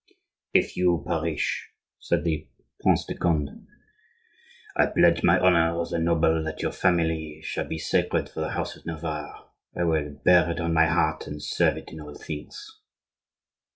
"If you perish," said the Prince de Conde, "I pledge my honor as a noble that your family shall be sacred for the house of Navarre; I will bear it on my heart and serve it in all things."